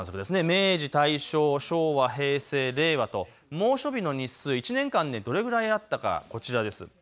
明治、大正、昭和、平成、令和と猛暑日の日数、１年間でどれぐらいあったか、こちらです。